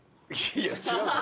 いや違う。